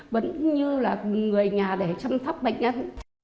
vẫn như là người nhà để chăm sóc bệnh nhân